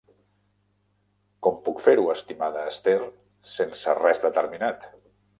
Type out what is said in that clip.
Com puc fer-ho, estimada Esther, sense res determinat!